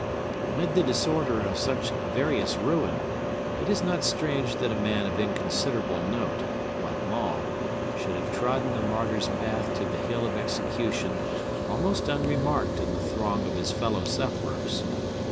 Amid the disorder of such various ruin, it is not strange that a man of inconsiderable note, like Maule, should have trodden the martyr's path to the hill of execution almost unremarked in the throng of his fellow sufferers.